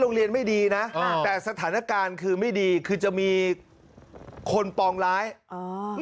โรงเรียนไม่ดีนะอ่าแต่สถานการณ์คือไม่ดีคือจะมีคนปองร้ายอ๋อ